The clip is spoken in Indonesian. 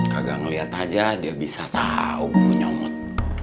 kagak ngeliat aja dia bisa tau gue nyomot